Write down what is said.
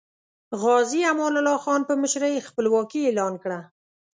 غازی امان الله خان په مشرۍ خپلواکي اعلان کړه.